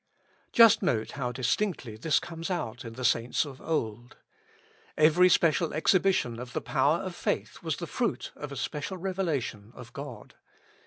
Just note how distinctly this comes out in the saints of old. Every special exhibition of the power of faith was the fruit of a special revelation of God.